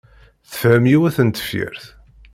Tefhem yiwet n tefyirt.